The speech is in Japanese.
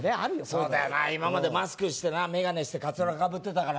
「そうだよな今までマスクしてなメガネして」「カツラかぶってたから」